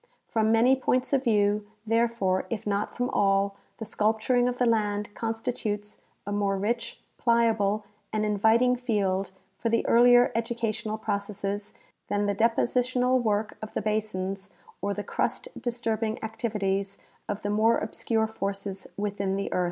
From many points of view, therefore, if not from all, the sculpturing of the land constitutes a more rich, pliable, and inviting field for the earlier educational processes than the depositional work of the basins or the crust disturbing activities of the more obscure forces within the earth.